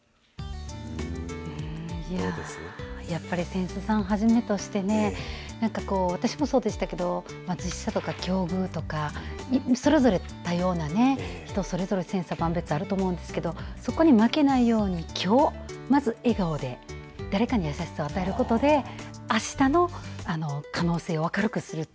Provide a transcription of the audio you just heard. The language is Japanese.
やっぱりせんすさんはじめとして私もそうでしたけど貧しさとか境遇とかそれぞれ多様な人それぞれ千差万別あると思うんですけどそこに負けないようにきょう、まず笑顔で誰かに優しさを与えることであしたの可能性を明るくする。